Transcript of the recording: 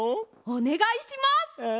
おねがいします。